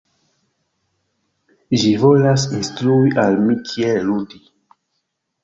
Ĝi volas instrui al mi kiel ludi